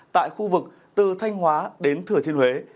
tại khu vực từ thanh hóa đến thừa thiên huế